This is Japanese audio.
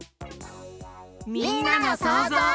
みんなのそうぞう。